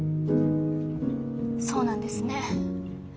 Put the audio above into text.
そうなんですね。